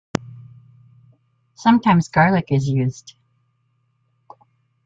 Sometimes garlic is used.